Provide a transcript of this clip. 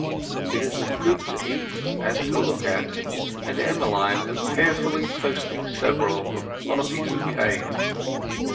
It is as good to eat as to look at, and Emmeline was carefully toasting several of them on a piece of cane.